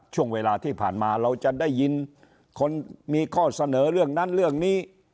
ช่วงเวลาที่ผ่านมาเราจะได้ยินคนมีข้อเสนอเรื่องนั้นเรื่องนี้